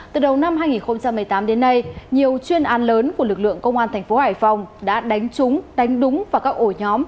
từ đầu năm hai nghìn một mươi tám đến nay nhiều chuyên an lớn của lực lượng công an thành phố hải phòng đã đánh trúng đánh đúng vào các ổ nhóm